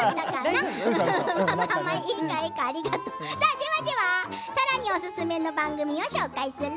ではではさらにおすすめの番組を紹介する。